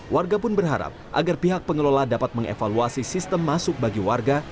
warga pun berharap agar pihak pengelola dapat mengevaluasi sistem masuk bagi warga